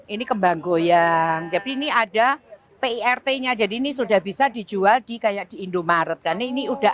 ini kembang goyang jadi ini ada pirt nya jadi ini sudah bisa dijual di kayak di indomaret kan ini udah